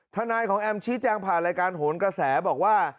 ทนายของแอมชี้แจงผ่านรายการโหนกระแสบอกว่า